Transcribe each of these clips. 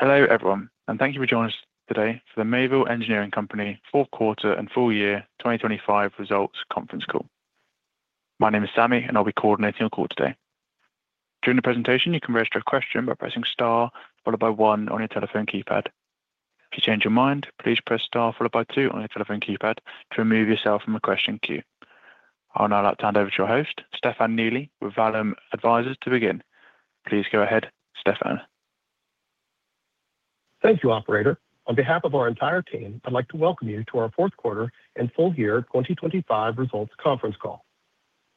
Thank you for joining us today for the Mayville Engineering Company Fourth Quarter and Full Year 2025 Results Conference Call. My name is Sammy. I'll be coordinating your call today. During the presentation you can register a question by pressing Star followed by one on your telephone keypad. If you change your mind, please press Star followed by two on your telephone keypad to remove yourself from the question queue. I would now like to hand over to your host, Stefan Neely with Vallum Advisors to begin. Please go ahead, Stefan. Thank you, operator. On behalf of our entire team, I'd like to welcome you to our Fourth Quarter and Full Year 2025 Results Conference Call.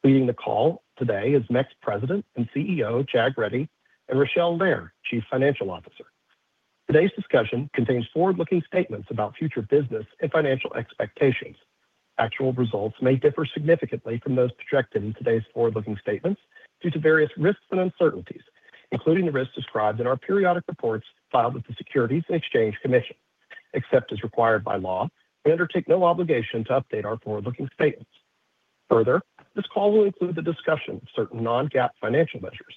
Leading the call today is MEC's President and CEO, Jag Reddy, and Rachele Lehr, Chief Financial Officer. Today's discussion contains forward-looking statements about future business and financial expectations. Actual results may differ significantly from those projected in today's forward-looking statements due to various risks and uncertainties, including the risks described in our periodic reports filed with the Securities and Exchange Commission. Except as required by law, we undertake no obligation to update our forward-looking statements. This call will include the discussion of certain non-GAAP financial measures.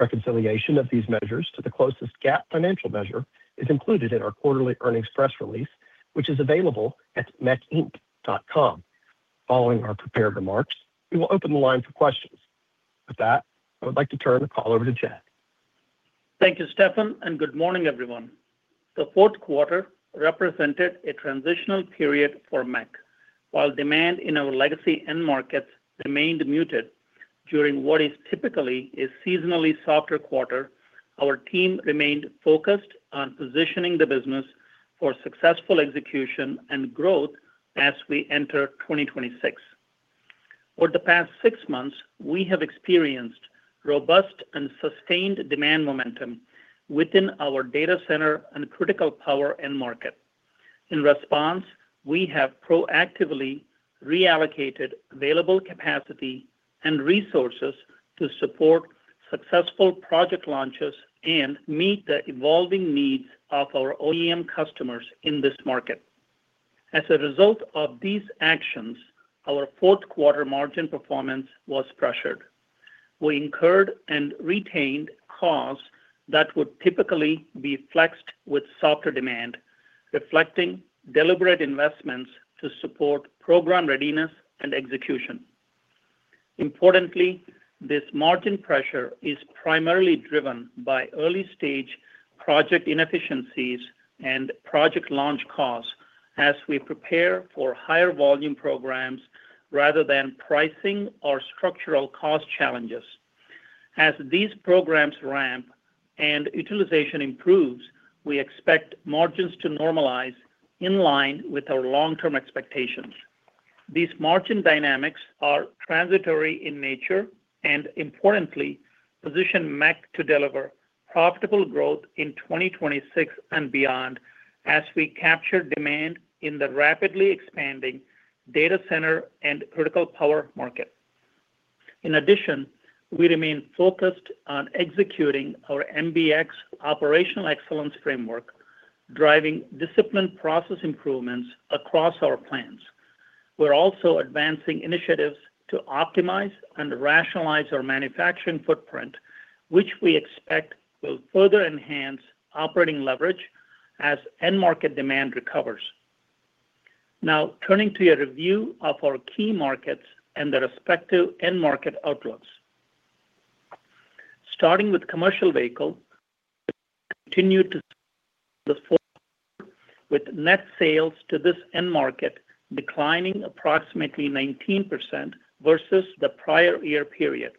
Reconciliation of these measures to the closest GAAP financial measure is included in our quarterly earnings press release, which is available at mecinc.com. Following our prepared remarks, we will open the line for questions. With that, I would like to turn the call over to Jag. Thank you, Stefan. Good morning everyone. The fourth quarter represented a transitional period for MEC. While demand in our legacy end markets remained muted during what is typically a seasonally softer quarter, our team remained focused on positioning the business for successful execution and growth as we enter 2026. For the past six months, we have experienced robust and sustained demand momentum within our data center and critical power end market. In response, we have proactively reallocated available capacity and resources to support successful project launches and meet the evolving needs of our OEM customers in this market. As a result of these actions, our fourth quarter margin performance was pressured. We incurred and retained costs that would typically be flexed with softer demand, reflecting deliberate investments to support program readiness and execution. Importantly, this margin pressure is primarily driven by early stage project inefficiencies and project launch costs as we prepare for higher volume programs rather than pricing or structural cost challenges. As these programs ramp and utilization improves, we expect margins to normalize in line with our long-term expectations. These margin dynamics are transitory in nature and importantly position MEC to deliver profitable growth in 2026 and beyond as we capture demand in the rapidly expanding data center and critical power market. In addition, we remain focused on executing our MBX operational excellence framework, driving disciplined process improvements across our plans. We're also advancing initiatives to optimize and rationalize our manufacturing footprint, which we expect will further enhance operating leverage as end market demand recovers. Now turning to a review of our key markets and their respective end market outlooks. Starting with commercial vehicle, continued to the fourth with net sales to this end market declining approximately 19% versus the prior year period.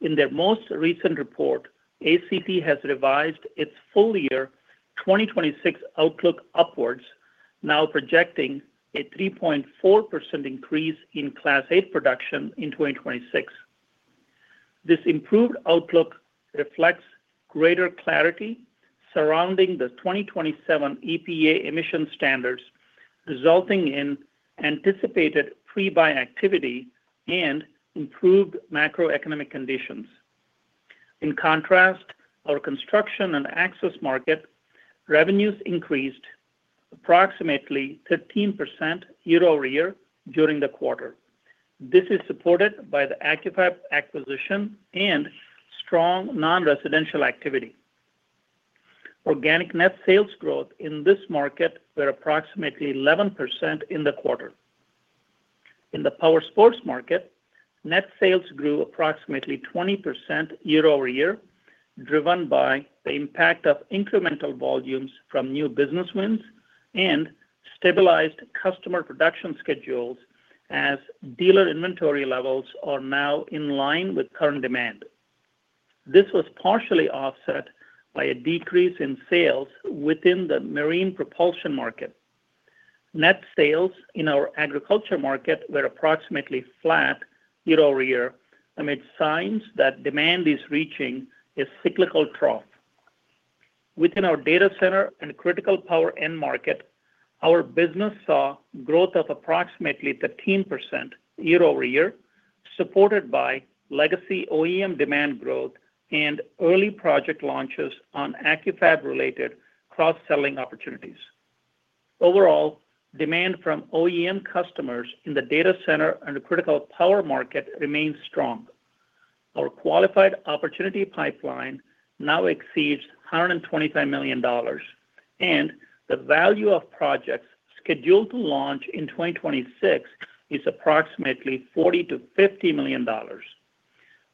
In their most recent report, ACT Research has revised its full year 2026 outlook upwards, now projecting a 3.4% increase in Class 8 production in 2026. This improved outlook reflects greater clarity surrounding the 2027 EPA emission standards, resulting in anticipated pre-buy activity and improved macroeconomic conditions. Our construction and access market revenues increased approximately 13% year-over-year during the quarter. This is supported by the Accu-Fab acquisition and strong non-residential activity. Organic net sales growth in this market were approximately 11% in the quarter. In the Powersports market, net sales grew approximately 20% year-over-year, driven by the impact of incremental volumes from new business wins and stabilized customer production schedules as dealer inventory levels are now in line with current demand. This was partially offset by a decrease in sales within the marine propulsion market. Net sales in our agriculture market were approximately flat year-over-year, amid signs that demand is reaching a cyclical trough. Within our data center and critical power end market, our business saw growth of approximately 13% year-over-year, supported by legacy OEM demand growth and early project launches on Accu-Fab related cross-selling opportunities. Overall, demand from OEM customers in the data center and the critical power market remains strong. Our qualified opportunity pipeline now exceeds $125 million, the value of projects scheduled to launch in 2026 is approximately $40 million-$50 million.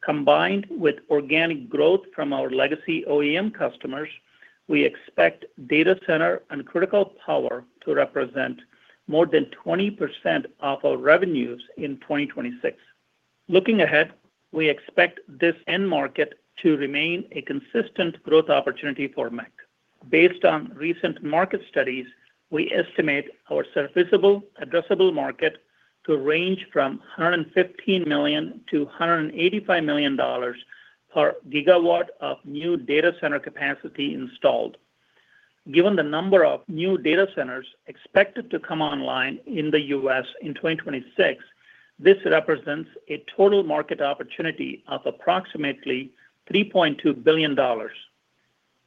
Combined with organic growth from our legacy OEM customers, we expect data center and critical power to represent more than 20% of our revenues in 2026. Looking ahead, we expect this end market to remain a consistent growth opportunity for MEC. Based on recent market studies, we estimate our serviceable addressable market to range from $115 million-$185 million per gigawatt of new data center capacity installed. Given the number of new data centers expected to come online in the U.S. in 2026, this represents a total market opportunity of approximately $3.2 billion.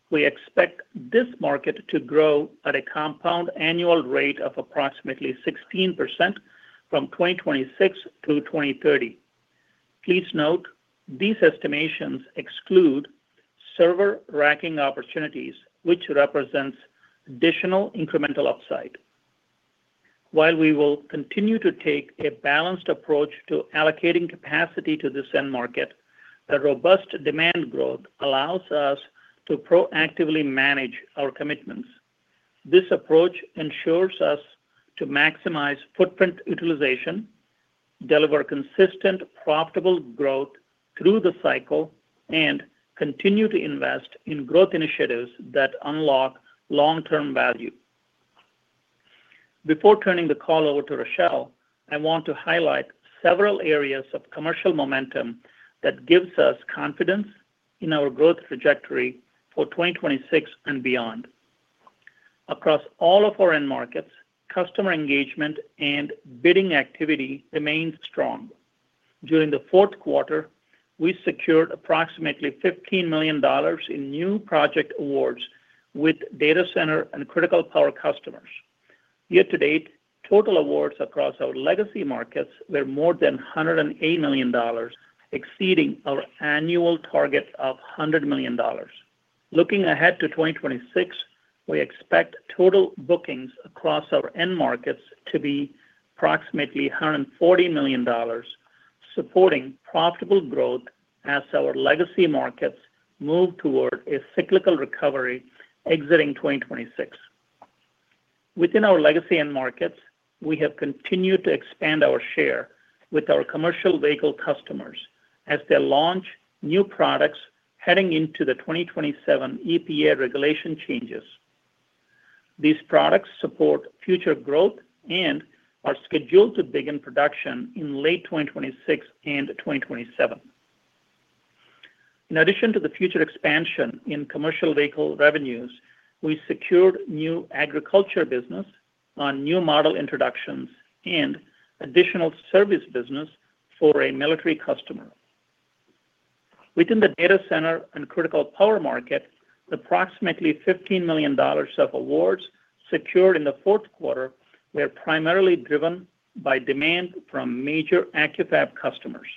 We expect this market to grow at a compound annual rate of approximately 16% from 2026 through 2030. Please note these estimations exclude server racking opportunities, which represents additional incremental upside. While we will continue to take a balanced approach to allocating capacity to this end market, a robust demand growth allows us to proactively manage our commitments. This approach ensures us to maximize footprint utilization, deliver consistent, profitable growth through the cycle, and continue to invest in growth initiatives that unlock long-term value. Before turning the call over to Rachele, I want to highlight several areas of commercial momentum that gives us confidence in our growth trajectory for 2026 and beyond. Across all of our end markets, customer engagement and bidding activity remains strong. During the fourth quarter, we secured approximately $15 million in new project awards with data center and critical power customers. Year to date, total awards across our legacy markets were more than $108 million, exceeding our annual target of $100 million. Looking ahead to 2026, we expect total bookings across our end markets to be approximately $140 million, supporting profitable growth as our legacy markets move toward a cyclical recovery exiting 2026. Within our legacy end markets, we have continued to expand our share with our commercial vehicle customers as they launch new products heading into the 2027 EPA regulation changes. These products support future growth and are scheduled to begin production in late 2026 and 2027. In addition to the future expansion in commercial vehicle revenues, we secured new agriculture business on new model introductions and additional service business for a military customer. Within the data center and critical power market, approximately $15 million of awards secured in the fourth quarter were primarily driven by demand from major Accu-Fab customers.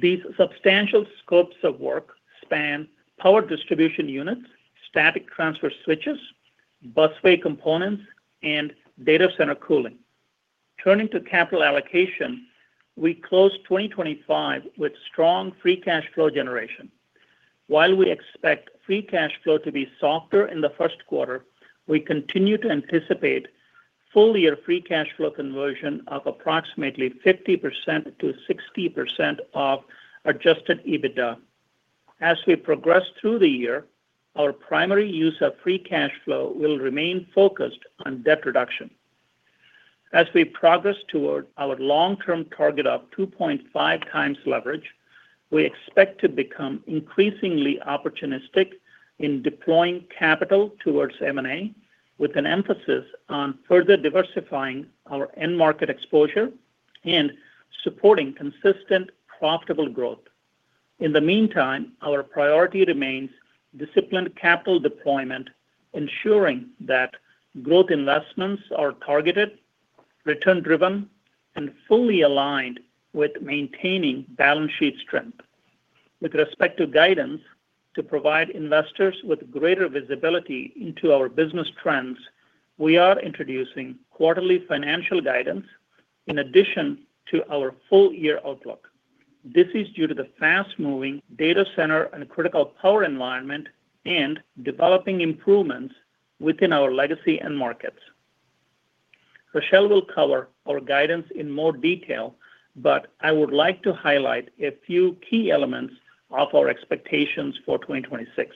These substantial scopes of work span Power Distribution Units, Static Transfer Switches, busway components, and data center cooling. Turning to capital allocation, we closed 2025 with strong Free Cash Flow generation. While we expect Free Cash Flow to be softer in the first quarter, we continue to anticipate full-year Free Cash Flow conversion of approximately 50% - 60% of Adjusted EBITDA. As we progress through the year, our primary use of Free Cash Flow will remain focused on debt reduction. As we progress toward our long-term target of 2.5x leverage, we expect to become increasingly opportunistic in deploying capital towards M&A with an emphasis on further diversifying our end market exposure and supporting consistent, profitable growth. In the meantime, our priority remains disciplined capital deployment, ensuring that growth investments are targeted, return-driven, and fully aligned with maintaining balance sheet strength. With respect to guidance, to provide investors with greater visibility into our business trends, we are introducing quarterly financial guidance in addition to our full-year outlook. This is due to the fast-moving data center and critical power environment and developing improvements within our legacy end markets. Rachele will cover our guidance in more detail, but I would like to highlight a few key elements of our expectations for 2026.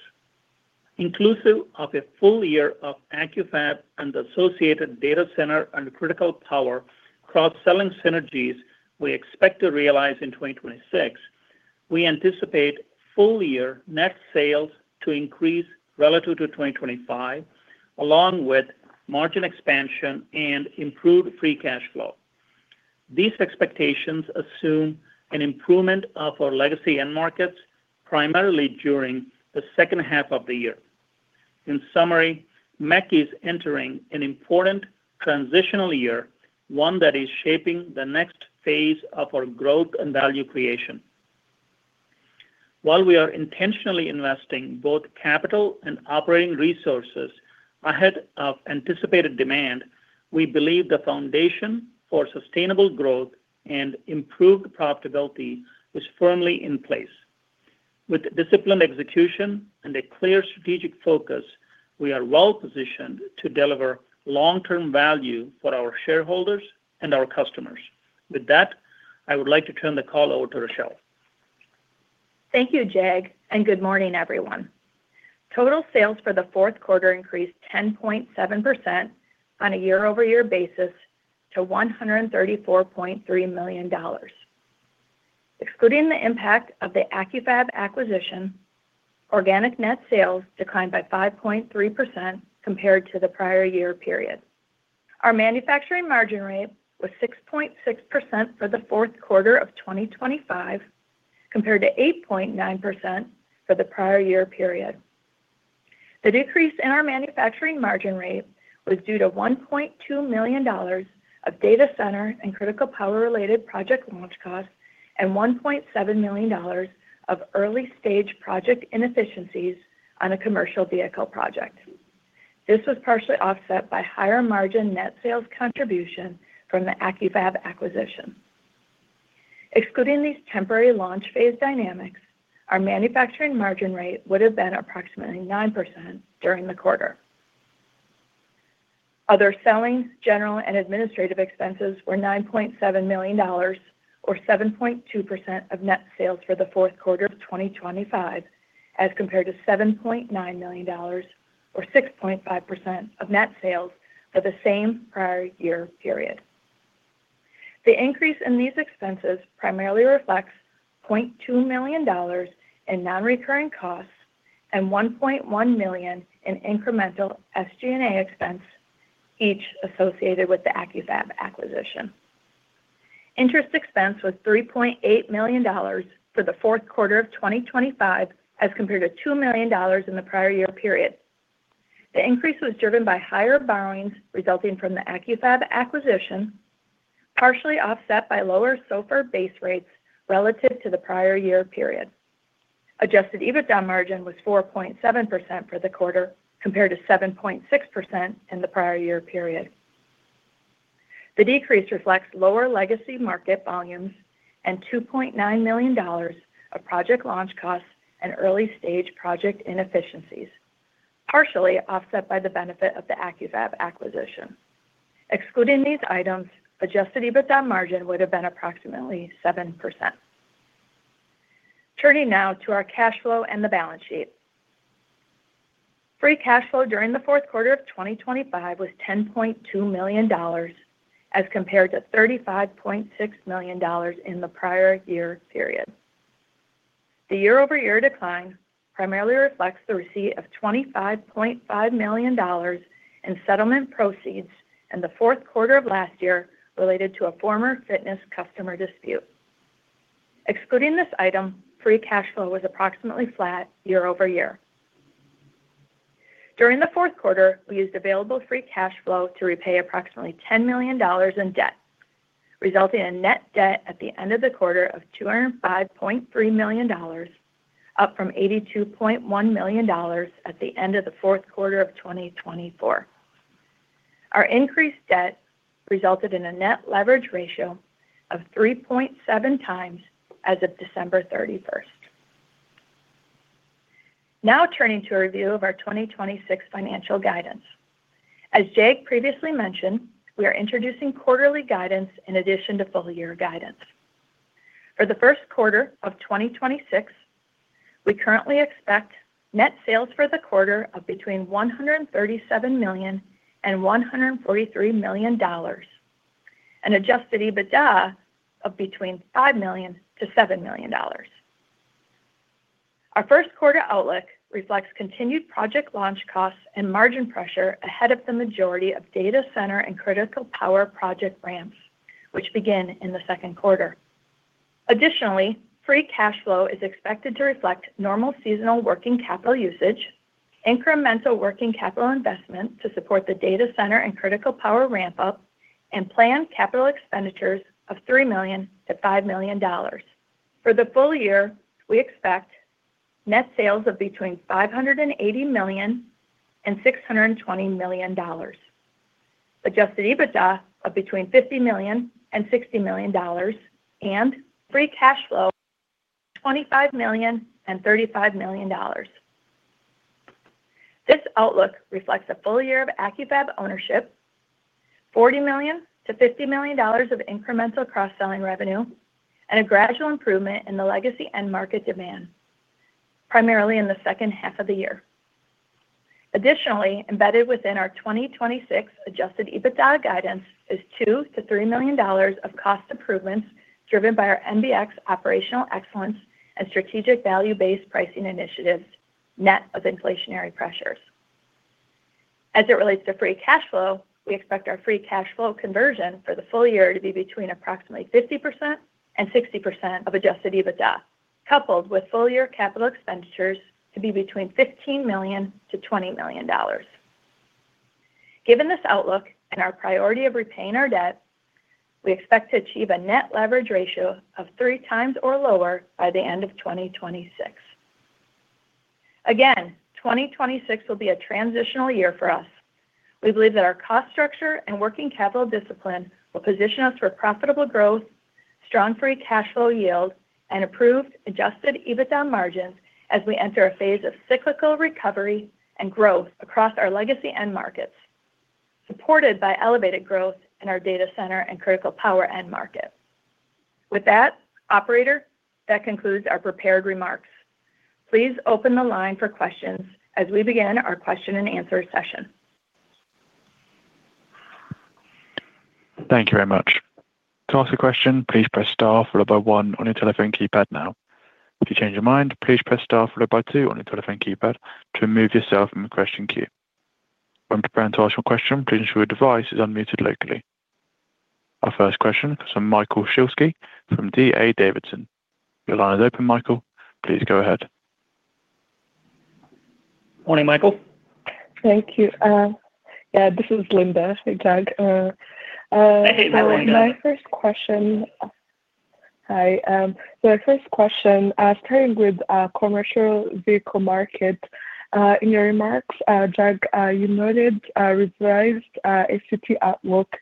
Inclusive of a full year of Accu-Fab and associated data center and critical power cross-selling synergies we expect to realize in 2026, we anticipate full-year net sales to increase relative to 2025, along with margin expansion and improved Free Cash Flow. These expectations assume an improvement of our legacy end markets primarily during the second half of the year. In summary, MEC is entering an important transitional year, one that is shaping the next phase of our growth and value creation. We are intentionally investing both capital and operating resources ahead of anticipated demand, we believe the foundation for sustainable growth and improved profitability is firmly in place. Disciplined execution and a clear strategic focus, we are well positioned to deliver long-term value for our shareholders and our customers. That, I would like to turn the call over to Rachele. Thank you, Jag, and good morning, everyone. Total sales for the fourth quarter increased 10.7% on a year-over-year basis to $134.3 million. Excluding the impact of the Accu-Fab acquisition, organic net sales declined by 5.3% compared to the prior year period. Our manufacturing margin rate was 6.6% for the fourth quarter of 2025, compared to 8.9% for the prior year period. The decrease in our manufacturing margin rate was due to $1.2 million of data center and critical power-related project launch costs and $1.7 million of early-stage project inefficiencies on a commercial vehicle project. This was partially offset by higher margin net sales contribution from the Accu-Fab acquisition. Excluding these temporary launch phase dynamics, our manufacturing margin rate would have been approximately 9% during the quarter. Other selling, general and administrative expenses were $9.7 million or 7.2% of net sales for the fourth quarter of 2025 as compared to $7.9 million or 6.5% of net sales for the same prior year period. The increase in these expenses primarily reflects $0.2 million in non-recurring costs and $1.1 million in incremental SG&A expense, each associated with the Accu-Fab acquisition. Interest expense was $3.8 million for the fourth quarter of 2025 as compared to $2 million in the prior year period. The increase was driven by higher borrowings resulting from the Accu-Fab acquisition, partially offset by lower SOFR base rates relative to the prior year period. Adjusted EBITDA margin was 4.7% for the quarter compared to 7.6% in the prior year period. The decrease reflects lower legacy market volumes and $2.9 million of project launch costs and early-stage project inefficiencies, partially offset by the benefit of the Accu-Fab acquisition. Excluding these items, Adjusted EBITDA margin would have been approximately 7%. Turning now to our cash flow and the balance sheet. Free Cash Flow during the fourth quarter of 2025 was $10.2 million as compared to $35.6 million in the prior year period. The year-over-year decline primarily reflects the receipt of $25.5 million in settlement proceeds in the fourth quarter of last year related to a former fitness customer dispute. Excluding this item, Free Cash Flow was approximately flat year-over-year. During the fourth quarter, we used available Free Cash Flow to repay approximately $10 million in debt, resulting in net debt at the end of the quarter of $205.3 million, up from $82.1 million at the end of the fourth quarter of 2024. Our increased debt resulted in a net leverage ratio of 3.7 times as of December 31st. Turning to a review of our 2026 financial guidance. As Jag previously mentioned, we are introducing quarterly guidance in addition to full year guidance. For the first quarter of 2026, we currently expect net sales for the quarter of between $137 million and $143 million and Adjusted EBITDA of between $5 million to $7 million. Our first quarter outlook reflects continued project launch costs and margin pressure ahead of the majority of data center and critical power project ramps, which begin in the second quarter. Additionally, Free Cash Flow is expected to reflect normal seasonal working capital usage, incremental working capital investment to support the data center and critical power ramp up, and planned capital expenditures of $3 million-$5 million. For the full year, we expect net sales of between $580 million and $620 million, Adjusted EBITDA of between $50 million and $60 million, and Free Cash Flow of between $25 million and $35 million. This outlook reflects a full year of Accu-Fab ownership, $40 million-$50 million of incremental cross-selling revenue, and a gradual improvement in the legacy end market demand, primarily in the second half of the year. Additionally, embedded within our 2026 Adjusted EBITDA guidance is $2 million-$3 million of cost improvements driven by our MBX operational excellence and strategic value-based pricing initiatives, net of inflationary pressures. As it relates to Free Cash Flow, we expect our Free Cash Flow conversion for the full year to be between approximately 50% and 60% of Adjusted EBITDA, coupled with full year capital expenditures to be between $15 million-$20 million. Given this outlook and our priority of repaying our debt, we expect to achieve a net leverage ratio of three times or lower by the end of 2026. 2026 will be a transitional year for us. We believe that our cost structure and working capital discipline will position us for profitable growth, strong Free Cash Flow yield, and improved Adjusted EBITDA margins as we enter a phase of cyclical recovery and growth across our legacy end markets, supported by elevated growth in our data center and critical power end market. Operator, that concludes our prepared remarks. Please open the line for questions as we begin our question and answer session. Thank you very much. To ask a question, please press star followed by one on your telephone keypad now. If you change your mind, please press star followed by two on your telephone keypad to remove yourself from the question queue. When preparing to ask your question, please ensure your device is unmuted locally. Our first question is from Michael Shlisky from D.A. Davidson. Your line is open, Michael. Please go ahead. Morning, Michael. Thank you. Yeah, this is Linda. Hey, Jag. Hey, Linda. Hi. My first question, starting with commercial vehicle market. In your remarks, Jag, you noted revised ACT outlook.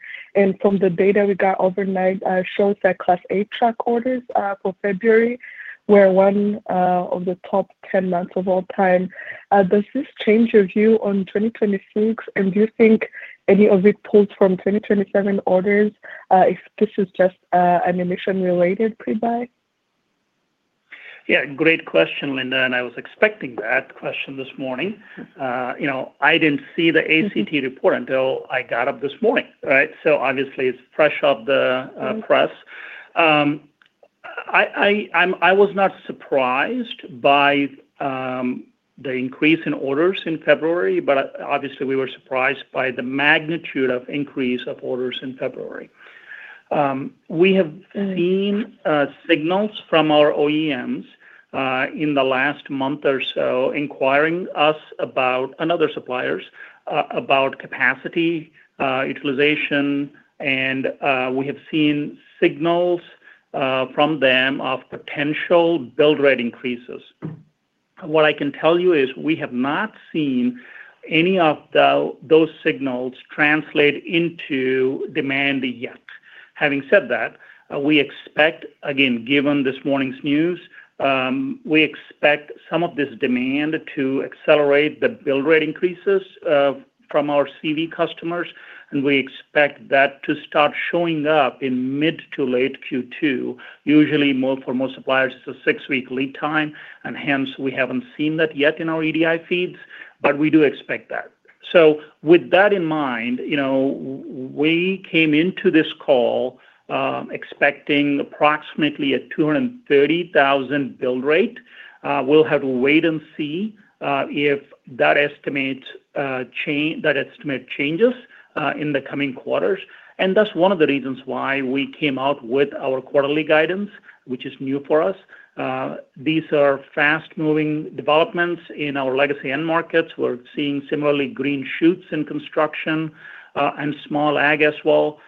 From the data we got overnight, shows that Class A truck orders for February were one of the top 10 months of all time. Does this change your view on 2026? Do you think any of it pulls from 2027 orders, if this is just an emission-related pre-buy? Great question, Linda, and I was expecting that question this morning. you know, I didn't see the ACT report until I got up this morning, right? Obviously it's fresh off the press. I was not surprised by the increase in orders in February, but obviously we were surprised by the magnitude of increase of orders in February. We have seen signals from our OEMs in the last month or so inquiring us about, and other suppliers, about capacity utilization, and we have seen signals from them of potential build rate increases. What I can tell you is we have not seen any of those signals translate into demand yet. Having said that, we expect... Given this morning's news, we expect some of this demand to accelerate the build rate increases from our CV customers, and we expect that to start showing up in mid to late Q2. Usually more, for most suppliers, it's a six-week lead time, and hence we haven't seen that yet in our EDI feeds, but we do expect that. With that in mind, you know, we came into this call expecting approximately a 230,000 build rate. We'll have to wait and see if that estimate changes in the coming quarters. That's one of the reasons why we came out with our quarterly guidance, which is new for us. These are fast-moving developments in our legacy end markets. We're seeing similarly green shoots in construction and small ag as well.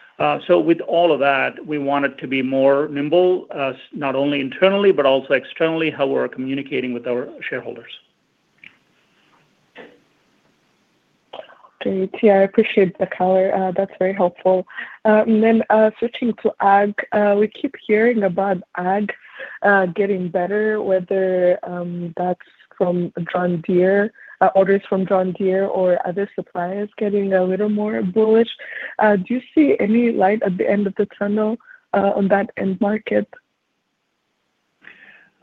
With all of that, we wanted to be more nimble, not only internally, but also externally, how we're communicating with our shareholders. Great. Yeah, I appreciate the color. That's very helpful. Switching to Ag. We keep hearing about Ag getting better, whether that's from John Deere, orders from John Deere or other suppliers getting a little more bullish. Do you see any light at the end of the tunnel on that end market?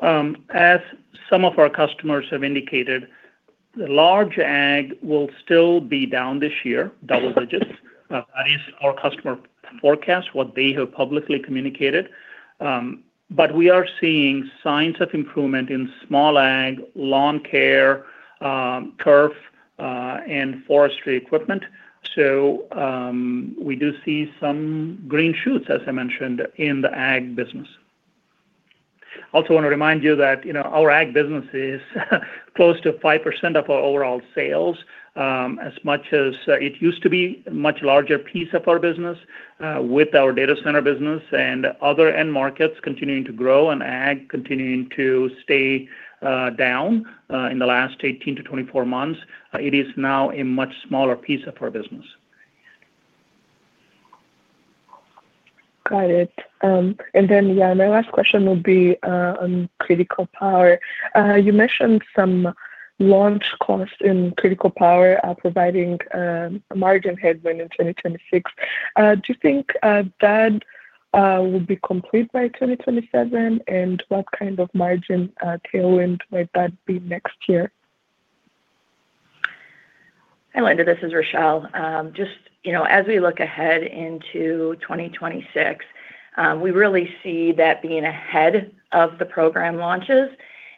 Um, as some of our customers have indicated, large ag will still be down this year, double digits. Uh, that is our customer forecast, what they have publicly communicated. Um, but we are seeing signs of improvement in small ag, lawn care, um, turf, uh, and forestry equipment. So, um, we do see some green shoots, as I mentioned, in the ag business. Also wanna remind you that, you know, our ag business is close to five percent of our overall sales. Um, as much as, uh, it used to be a much larger piece of our business, uh, with our data center business and other end markets continuing to grow and ag continuing to stay, uh, down, uh, in the last eighteen to twenty-four months, uh, it is now a much smaller piece of our business. Got it. My last question would be on critical power. You mentioned some launch costs in critical power are providing a margin headwind in 2026. Do you think that will be complete by 2027, and what kind of margin tailwind might that be next year? Hi, Linda, this is Rachele. Just, you know, as we look ahead into 2026, we really see that being ahead of the program launches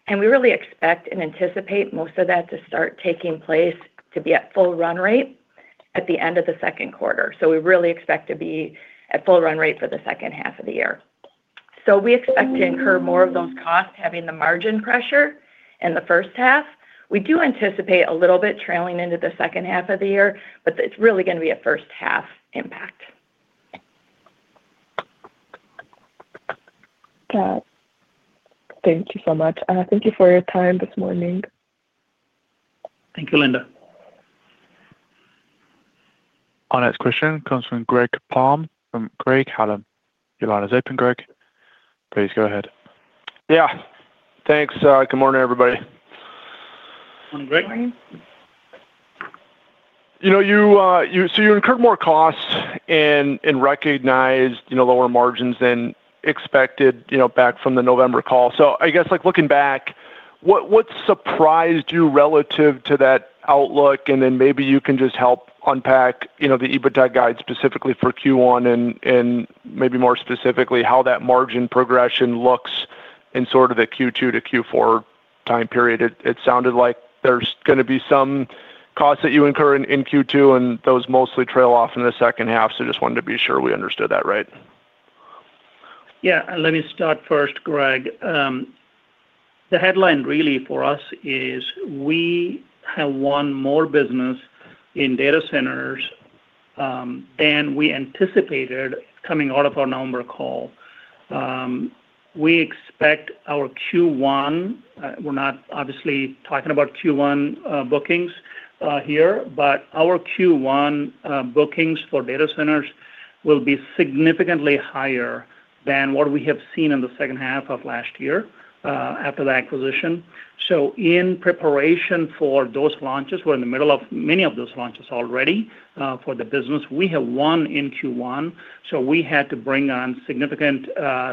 We really expect and anticipate most of that to start taking place to be at full run rate at the end of the second quarter. We really expect to be at full run rate for the second half of the year. We expect to incur more of those costs, having the margin pressure in the first half. We do anticipate a little bit trailing into the second half of the year, but it's really going to be a first half impact. Got it. Thank you so much. Thank you for your time this morning. Thank you, Linda. Our next question comes from Greg Palm from Craig-Hallum. Your line is open, Greg. Please go ahead. Yeah, thanks. Good morning, everybody. Morning, Greg. Morning. You know, you incur more costs and recognized, you know, lower margins than expected, you know, back from the November call. I guess, like, looking back, what surprised you relative to that outlook? Then maybe you can just help unpack, you know, the EBITDA guide specifically for Q1 and maybe more specifically, how that margin progression looks in sort of the Q2 to Q4 time period. It sounded like there's going to be some costs that you incur in Q2, and those mostly trail off in the second half. Just wanted to be sure we understood that right. Yeah. Let me start first, Greg. The headline really for us is we have won more business in data centers than we anticipated coming out of our November call. We expect our Q1, we're not obviously talking about Q1 bookings here, but our Q1 bookings for data centers will be significantly higher than what we have seen in the second half of last year after the acquisition. In preparation for those launches, we're in the middle of many of those launches already for the business. We have won in Q1, so we had to bring on significant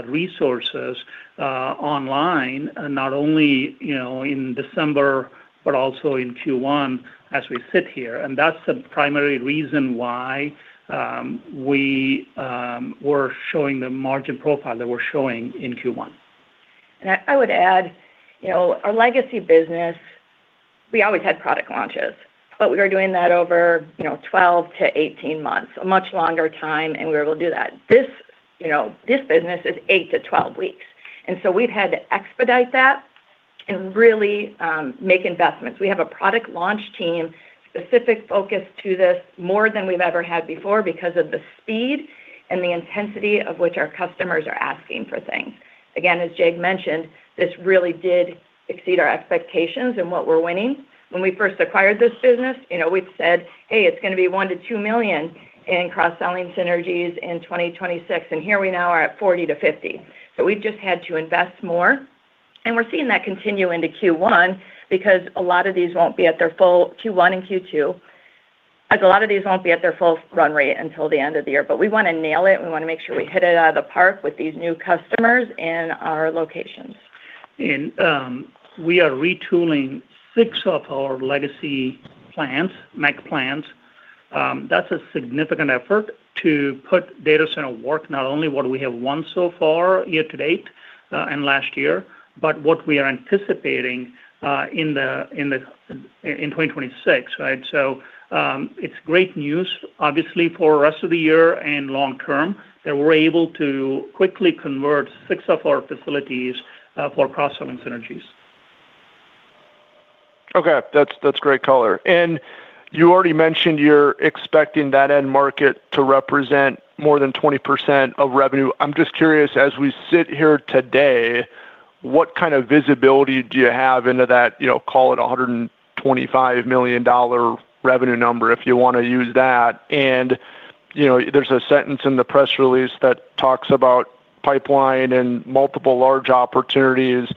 resources online not only, you know, in December, but also in Q1 as we sit here. That's the primary reason why we're showing the margin profile that we're showing in Q1. I would add, you know, our legacy business, we always had product launches, but we were doing that over, you know, 12 - 18 months, a much longer time, and we were able to do that. This business is 8 - 12 weeks, and so we've had to expedite that and really make investments. We have a product launch team specific focus to this more than we've ever had before because of the speed and the intensity of which our customers are asking for things. Again, as Jag mentioned, this really did exceed our expectations and what we're winning. When we first acquired this business, you know, we'd said, "Hey, it's going to be $1 million-$2 million in cross-selling synergies in 2026." Here we now are at $40 million-$50 million. We've just had to invest more, and we're seeing that continue into Q1 because a lot of these won't be at their full Q1 and Q2, as a lot of these won't be at their full run rate until the end of the year. We want to nail it. We want to make sure we hit it out of the park with these new customers and our locations. We are retooling six of our legacy plants, MEC plants. That's a significant effort to put data center work, not only what we have won so far year to date, and last year, but what we are anticipating in 2026, right? It's great news obviously for rest of the year and long term that we're able to quickly convert six of our facilities for cross-selling synergies. Okay. That's, that's great color. You already mentioned you're expecting that end market to represent more than 20% of revenue. I'm just curious, as we sit here today, what kind of visibility do you have into that, you know, call it a $125 million revenue number, if you want to use that. You know, there's a sentence in the press release that talks about pipeline and multiple large opportunities.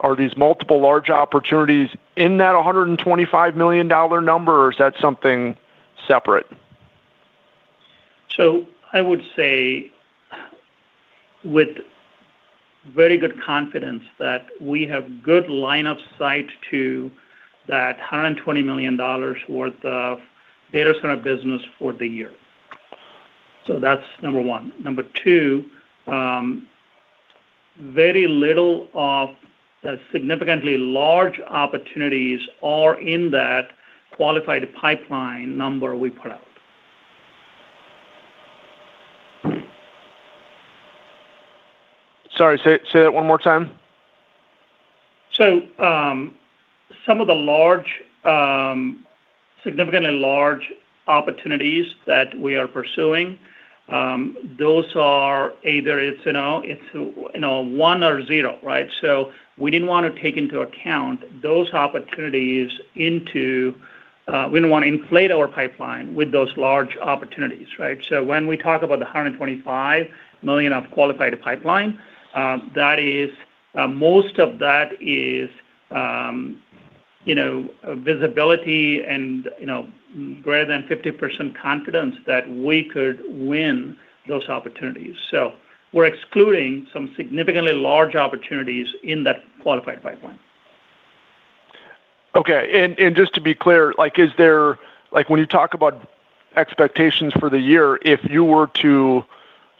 Are these multiple large opportunities in that $125 million number or is that something separate? I would say with very good confidence that we have good line of sight to that $120 million worth of data center business for the year. That's number one. Number two, very little of the significantly large opportunities are in that qualified pipeline number we put out. Sorry, say that one more time. Some of the large, significantly large opportunities that we are pursuing, those are either it's, you know, it's, you know, one or zero, right? We didn't want to take into account those opportunities into, we didn't want to inflate our pipeline with those large opportunities, right? When we talk about the $125 million of qualified pipeline, that is, most of that is, you know, visibility and, you know, greater than 50% confidence that we could win those opportunities. We're excluding some significantly large opportunities in that qualified pipeline. Okay. Just to be clear, like, is there, like, when you talk about expectations for the year, if you were to,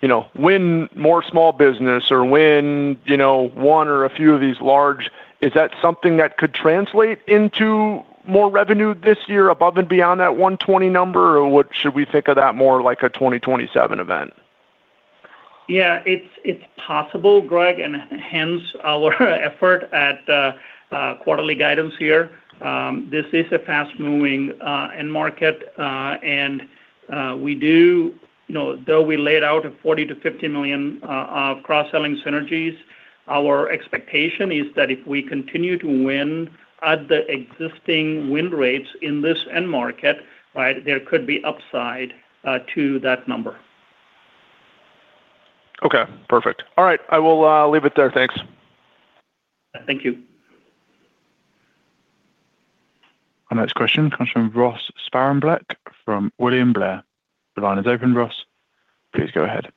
you know, win more small business or win, you know, one or a few of these large, is that something that could translate into more revenue this year above and beyond that $120 number? What should we think of that more like a 2027 event? Yeah. It's possible, Greg, and hence our effort at the quarterly guidance here. This is a fast-moving end market, and we do... You know, though we laid out a $40 million-$50 million of cross-selling synergies, our expectation is that if we continue to win at the existing win rates in this end market, right? There could be upside to that number. Okay. Perfect. All right. I will leave it there. Thanks. Thank you. Our next question comes from Ross Sparenberg, from William Blair. The line is open, Ross. Please go ahead.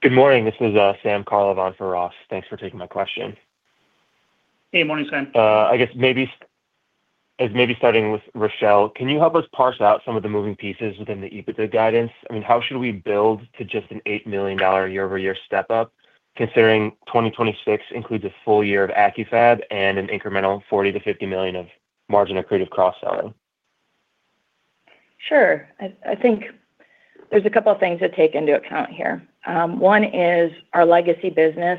Good morning. This is, Sam Carlo on for Ross. Thanks for taking my question. Hey. Morning, Sam. I guess maybe starting with Rachele, can you help us parse out some of the moving pieces within the EBITDA guidance? I mean, how should we build to just an $8 million year-over-year step-up, considering 2026 includes a full year of Accu-Fab and an incremental $40 million-$50 million of margin accretive cross-selling? Sure. I think there's a couple of things to take into account here. One is our legacy business.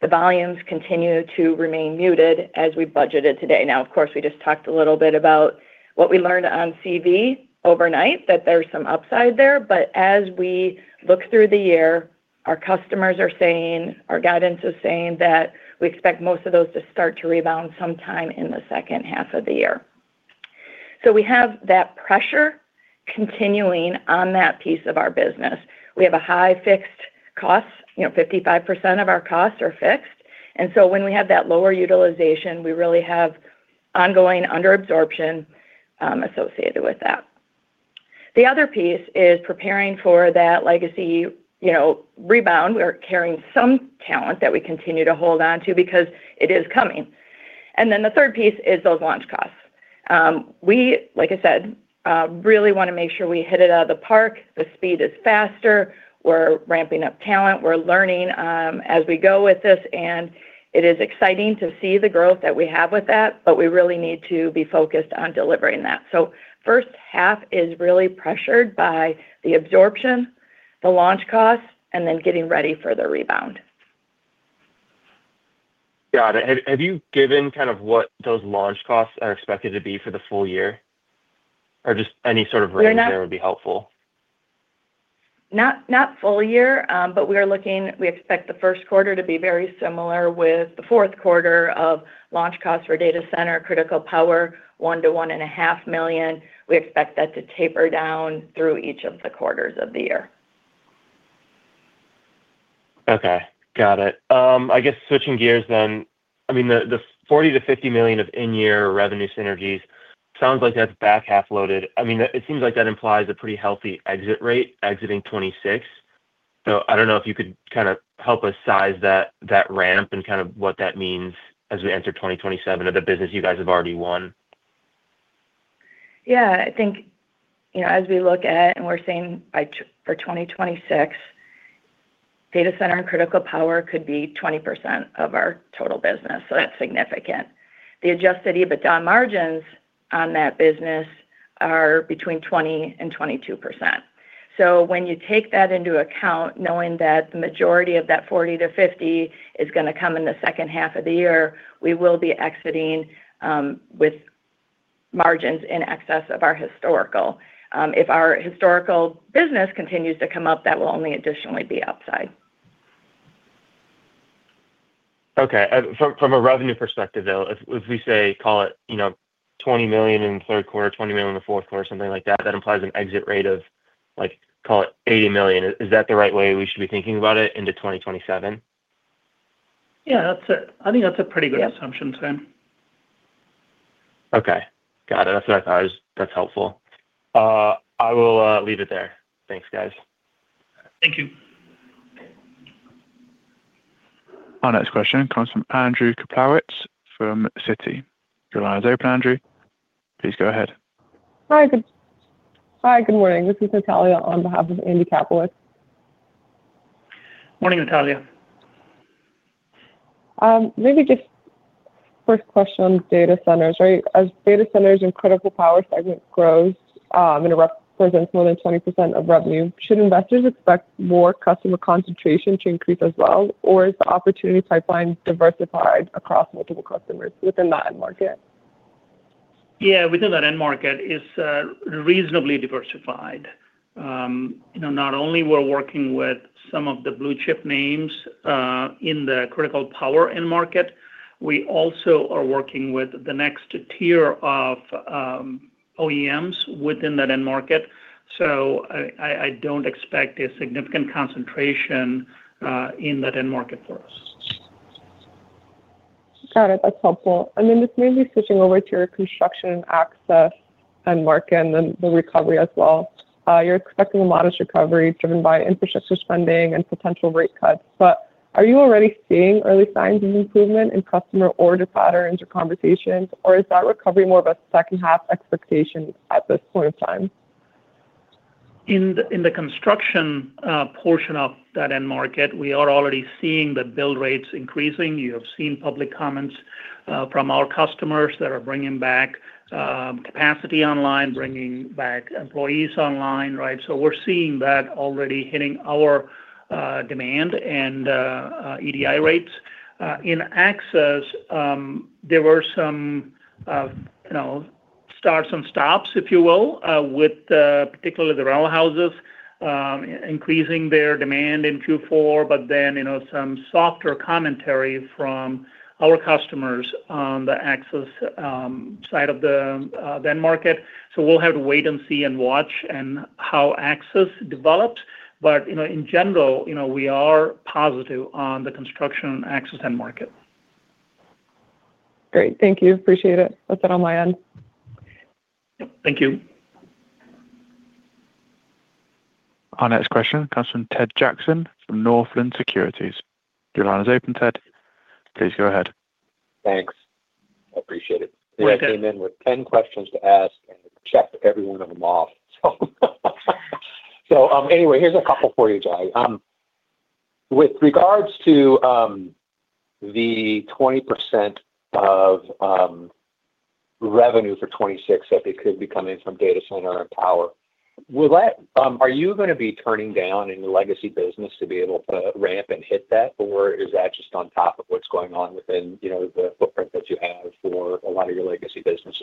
The volumes continue to remain muted as we budgeted today. Of course, we just talked a little bit about what we learned on CV overnight, that there's some upside there. As we look through the year, our customers are saying, our guidance is saying that we expect most of those to start to rebound sometime in the second half of the year. We have that pressure continuing on that piece of our business. We have a high fixed cost. You know, 55% of our costs are fixed. When we have that lower utilization, we really have ongoing under absorption associated with that. The other piece is preparing for that legacy, you know, rebound. We're carrying some talent that we continue to hold on to because it is coming. The third piece is those launch costs. We, like I said, really wanna make sure we hit it out of the park. The speed is faster. We're ramping up talent. We're learning as we go with this, and it is exciting to see the growth that we have with that, but we really need to be focused on delivering that. First half is really pressured by the absorption, the launch costs, and then getting ready for the rebound. Got it. Have you given kind of what those launch costs are expected to be for the full year? Just any sort of range there would be helpful. Not full year. We expect the first quarter to be very similar with the fourth quarter of launch costs for data center, critical power, $1 million-$1.5 million. We expect that to taper down through each of the quarters of the year. Okay. Got it. I guess switching gears then, I mean, the $40 million-$50 million of in-year revenue synergies, sounds like that's back half loaded. I mean, it seems like that implies a pretty healthy exit rate exiting 2026. I don't know if you could kinda help us size that ramp and kind of what that means as we enter 2027 of the business you guys have already won. I think, you know, as we look at and we're saying for 2026, data center and critical power could be 20% of our total business, so that's significant. The Adjusted EBITDA margins on that business are between 20%-22%. When you take that into account, knowing that the majority of that $40 million-$50 million is gonna come in the second half of the year, we will be exiting with margins in excess of our historical. If our historical business continues to come up, that will only additionally be upside. Okay. From a revenue perspective, though, if we say call it, you know, $20 million in the third quarter, $20 million in the fourth quarter or something like that implies an exit rate of, like, call it $80 million. Is that the right way we should be thinking about it into 2027? Yeah. That's it. I think that's a pretty good assumption, Sam. Okay. Got it. That's what I thought. That's helpful. I will leave it there. Thanks, guys. Thank you. Our next question comes from Andrew Kaplowitz from Citi. Your line is open, Andrew. Please go ahead. Hi. Good morning. This is Natalia on behalf of Andy Kaplowitz. Morning, Natalia. Maybe just first question on data centers, right? As data centers and critical power segment grows, and represents more than 20% of revenue, should investors expect more customer concentration to increase as well, or is the opportunity pipeline diversified across multiple customers within that end market? Yeah. Within that end market is reasonably diversified. you know, not only we're working with some of the blue chip names, in the critical power end market, we also are working with the next tier of OEMs within that end market. I don't expect a significant concentration, in that end market for us. Got it. That's helpful. Then just maybe switching over to your construction and access end market in the recovery as well. You're expecting a modest recovery driven by infrastructure spending and potential rate cuts. Are you already seeing early signs of improvement in customer order patterns or conversations, or is that recovery more of a second half expectation at this point in time? In the construction portion of that end market, we are already seeing the build rates increasing. You have seen public comments from our customers that are bringing back capacity online, bringing back employees online, right? We're seeing that already hitting our demand and EDI rates. In access, there were some, you know, start and stops, if you will, with particularly the Powersports increasing their demand in Q4. You know, some softer commentary from our customers on the access side of the then market. We'll have to wait and see and watch in how access develops. You know, in general, you know, we are positive on the construction access end market. Great. Thank you. Appreciate it. That's it on my end. Yep. Thank you. Our next question comes from Ted Jackson from Northland Securities. Your line is open, Ted. Please go ahead. Thanks. I appreciate it. Welcome. I came in with 10 questions to ask and checked every one of them off. Anyway, here's a couple for you, Jag. With regards to the 20% of revenue for 2026 that could be coming from data center and power, are you gonna be turning down any legacy business to be able to ramp and hit that, or is that just on top of what's going on within, you know, the footprint that you have for a lot of your legacy businesses?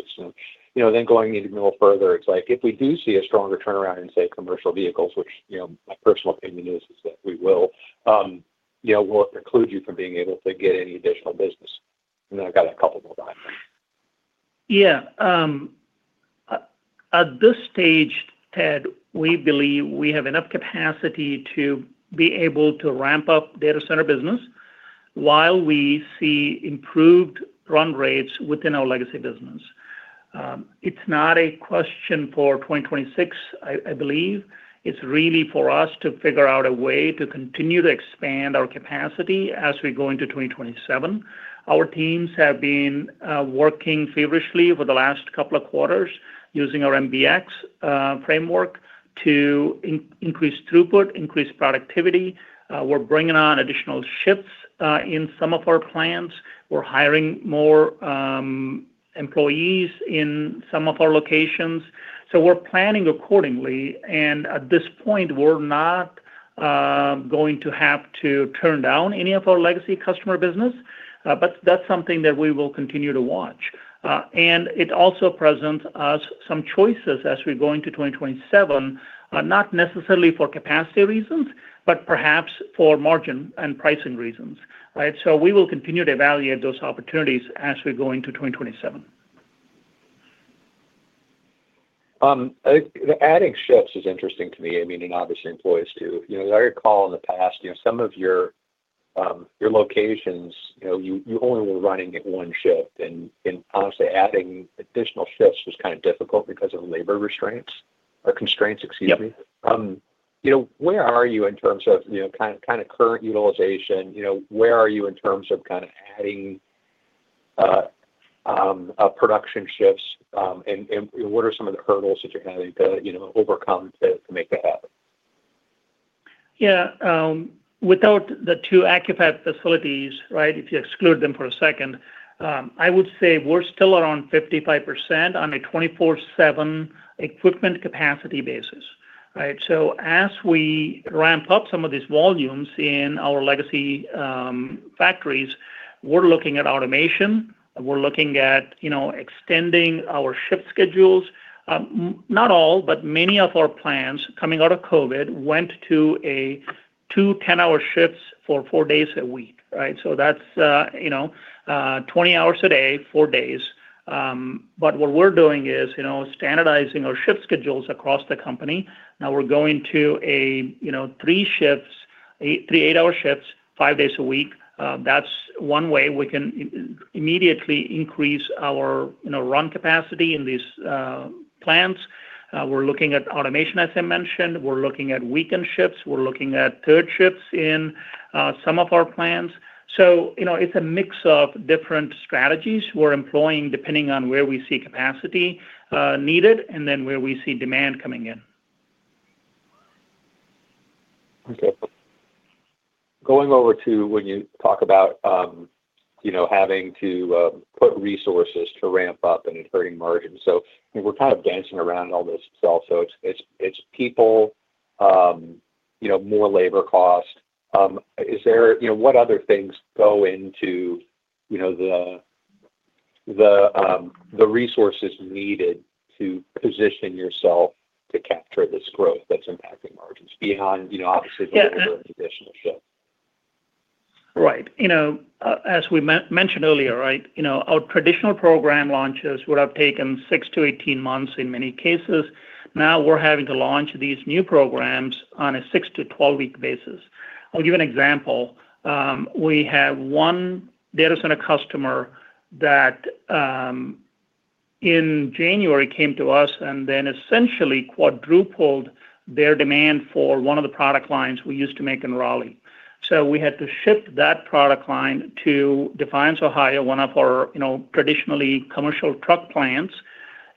Going even a little further, it's like, if we do see a stronger turnaround in, say, commercial vehicles, which, you know, my personal opinion is that we will, you know, will it preclude you from being able to get any additional business? I've got a couple more behind that. Yeah. At this stage, Ted, we believe we have enough capacity to be able to ramp up data center business while we see improved run rates within our legacy business. I believe. It's really for us to figure out a way to continue to expand our capacity as we go into 2027. Our teams have been working feverishly over the last couple of quarters using our MBX framework to increase throughput, increase productivity. We're bringing on additional shifts in some of our plants. We're hiring more employees in some of our locations. We're planning accordingly, and at this point, we're not going to have to turn down any of our legacy customer business, but that's something that we will continue to watch. It also presents us some choices as we go into 2027, not necessarily for capacity reasons, but perhaps for margin and pricing reasons, right? We will continue to evaluate those opportunities as we go into 2027. The adding shifts is interesting to me. I mean, obviously employees too. You know, as I recall in the past, you know, some of your locations, you know, you only were running at one shift. Honestly, adding additional shifts was kind of difficult because of labor restraints, or constraints, excuse me. Yep. You know, where are you in terms of, you know, kind of current utilization? You know, where are you in terms of kind of adding, production shifts? What are some of the hurdles that you're having to, you know, overcome to make that happen? Yeah. Without the two Accu-Fab facilities, right, if you exclude them for a second, I would say we're still around 55% on a 24/7 equipment capacity basis, right? As we ramp up some of these volumes in our legacy factories, we're looking at automation, and we're looking at, you know, extending our shift schedules. Not all, but many of our plants coming out of COVID went to a two 10-hour shifts for four days a week, right? That's, you know, 20 hours a day, four days. What we're doing is, you know, standardizing our shift schedules across the company. Now we're going to a, you know, three shifts, 3 8-hour shifts, five days a week. That's one way we can immediately increase our, you know, run capacity in these plants. We're looking at automation, as I mentioned. We're looking at weekend shifts. We're looking at third shifts in some of our plants. You know, it's a mix of different strategies we're employing depending on where we see capacity needed and then where we see demand coming in. Okay. Going over to when you talk about, you know, having to put resources to ramp up and it hurting margins. I mean, we're kind of dancing around all this stuff, so it's people, you know, more labor cost. You know, what other things go into, you know, the resources needed to position yourself to capture this growth that's impacting margins behind, you know, obviously? Yeah. The additional shift. Right. You know, as we mentioned earlier, right, you know, our traditional program launches would have taken 6-18 months in many cases. Now, we're having to launch these new programs on a 6-12-week basis. I'll give an example. We have one data center customer that in January came to us essentially quadrupled their demand for one of the product lines we used to make in Raleigh. We had to ship that product line to Defiance, Ohio, one of our, you know, traditionally commercial truck plants.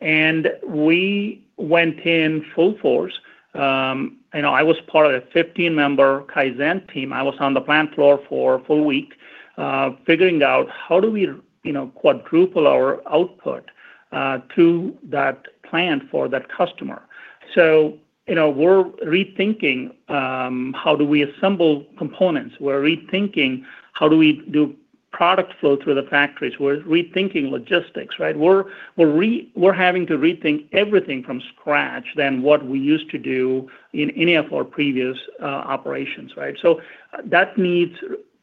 We went in full force. You know, I was part of a 15-member Kaizen team. I was on the plant floor for a full week, figuring out how do we, you know, quadruple our output to that plant for that customer. You know, we're rethinking how do we assemble components. We're rethinking how do we do product flow through the factories. We're rethinking logistics, right? We're having to rethink everything from scratch than what we used to do in any of our previous operations, right? That needs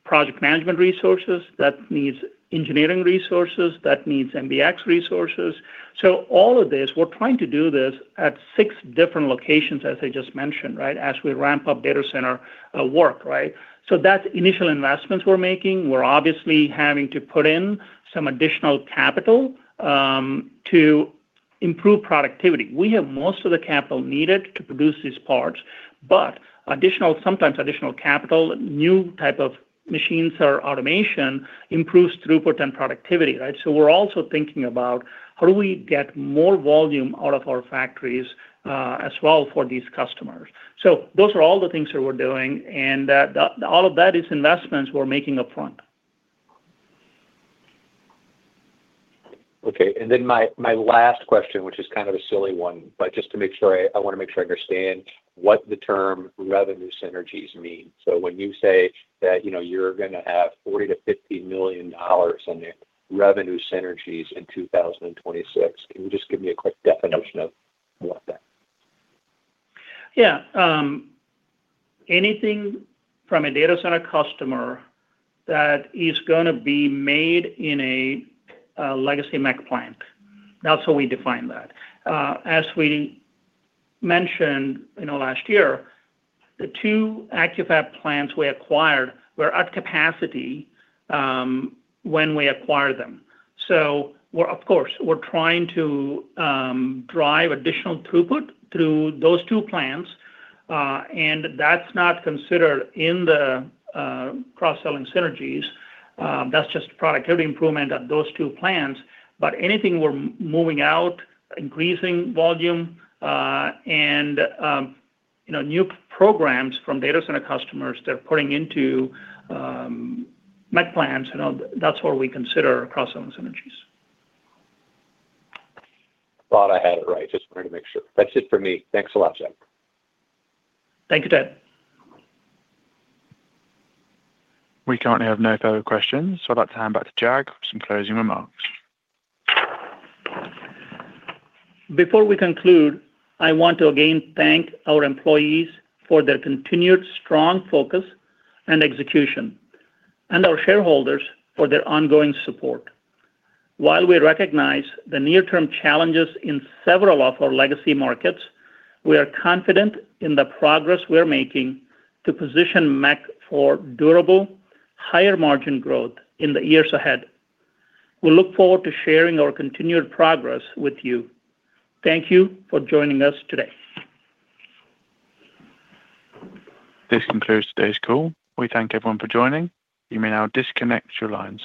project management resources, that needs engineering resources, that needs MBX resources. All of this, we're trying to do this at six different locations, as I just mentioned, right? As we ramp up data center work, right? That's initial investments we're making. We're obviously having to put in some additional capital to improve productivity. We have most of the capital needed to produce these parts, but sometimes additional capital, new type of machines or automation improves throughput and productivity, right? We're also thinking about how do we get more volume out of our factories as well for these customers. those are all the things that we're doing, and all of that is investments we're making upfront. Okay. My last question, which is kind of a silly one, but just to make sure, I wanna make sure I understand what the term revenue synergies mean. When you say that, you know, you're gonna have $40 million-$50 million in revenue synergies in 2026, can you just give me a quick definition of what that... Yeah. Anything from a data center customer that is gonna be made in a legacy MEC plant. That's how we define that. As we mentioned, you know, last year, the two Accu-Fab plants we acquired were at capacity when we acquired them. We're of course, we're trying to drive additional throughput through those two plants, and that's not considered in the cross-selling synergies. That's just productivity improvement at those two plants. Anything we're moving out, increasing volume, and, you know, new programs from data center customers they're putting into MEC plants, you know, that's where we consider cross-selling synergies. Thought I had it right. Just wanted to make sure. That's it for me. Thanks a lot, Jag. Thank you, Ted. We currently have no further questions. I'd like to hand back to Jag for some closing remarks. Before we conclude, I want to again thank our employees for their continued strong focus and execution, and our shareholders for their ongoing support. While we recognize the near-term challenges in several of our legacy markets, we are confident in the progress we are making to position MEC for durable, higher margin growth in the years ahead. We look forward to sharing our continued progress with you. Thank you for joining us today. This concludes today's call. We thank everyone for joining. You may now disconnect your lines.